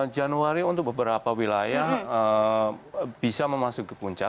januari untuk beberapa wilayah bisa memasuki puncak